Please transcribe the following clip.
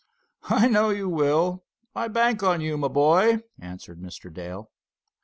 "I know you will—I bank on you, my boy," answered Mr. Dale.